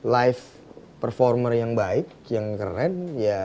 live performer yang baik yang keren